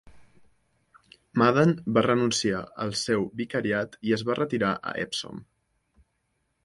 Madan va renunciar al seu vicariat i es va retirar a Epsom.